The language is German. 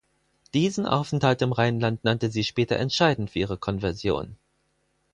Diesen Aufenthalt im Rheinland nannte sie später entscheidend für ihre Konversion.